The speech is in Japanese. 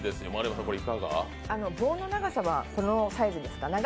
棒の長さはこのサイズですかね。